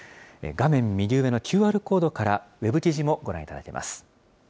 画面右上のＱＲコードから、ウェブ記事もご覧いただけます。